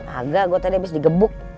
agak gue tadi abis digebuk